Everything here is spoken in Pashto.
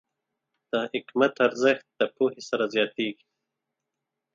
د حکمت ارزښت د پوهې سره زیاتېږي.